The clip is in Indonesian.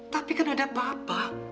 tapi kan ada papa